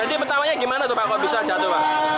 jadi pertamanya gimana kalau bisa jatuh